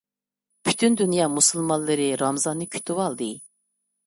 پۈتۈن دۇنيا مۇسۇلمانلىرى رامىزاننى كۈتۈۋالدى.